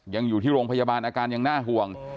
ยังอยู่ที่โรงพยาบาลอาการยังน่าห่วง